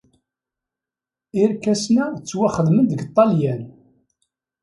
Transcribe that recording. Irkasen-a ttwaxedmen deg Ṭṭalyan.